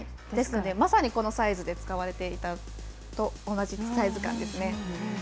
ですので、まさにこのサイズで使われていたのと同じサイズ感ですね。